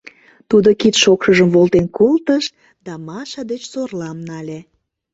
Тудо кид шокшыжым волтен колтыш да Маша деч сорлам нале.